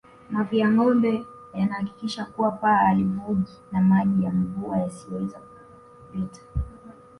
Mavi ya ngombe yanahakikisha kuwa paa halivuji na maji ya mvua yasiweze kupita